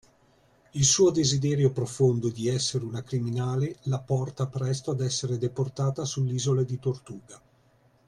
Il suo desiderio profondo di essere una criminale la porta presto ad essere deportata sull’isola di Tortuga